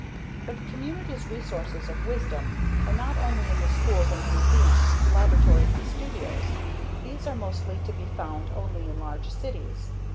But the community's resources of wisdom are not only in the schools and museums, and laboratories and studios these are mostly to be found only in large cities.